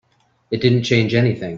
It didn't change anything.